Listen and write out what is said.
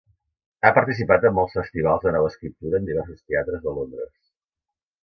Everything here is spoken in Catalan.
Ha participat en molts festivals de nova escriptura en diversos teatres de Londres.